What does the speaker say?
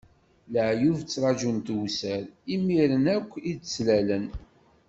Leεyub ttraǧun tewser, imiren akk i d-ttlalen.